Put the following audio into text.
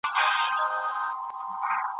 بسیط دولت یو ډول لښکر لري.